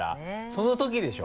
そのときでしょ？